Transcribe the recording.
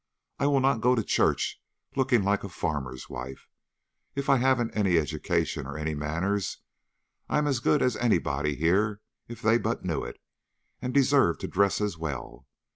I will not go to church looking like a farmer's wife, if I haven't any education or any manners. I'm as good as anybody here if they but knew it, and deserve to dress as well.